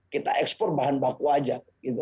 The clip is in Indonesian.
kita ekspor bahan baku aja